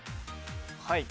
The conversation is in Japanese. はい。